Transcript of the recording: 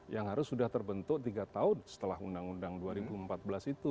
yang harus sudah terbentuk tiga tahun setelah undang undang dua ribu empat belas itu